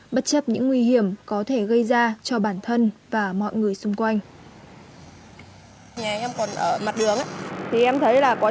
bất chấp những nguy hiểm có thể gây ra cho bản thân và mọi người xung quanh